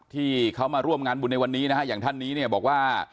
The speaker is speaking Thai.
ที่เขามาร่วมงานบุญในวันนี้นะฮะอย่างท่านนี้เนี่ยบอกว่า